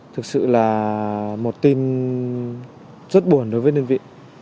thực sự là một tin rất buồn đối với đơn vị